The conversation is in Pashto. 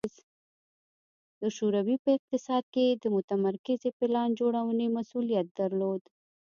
د شوروي په اقتصاد کې د متمرکزې پلان جوړونې مسوولیت درلود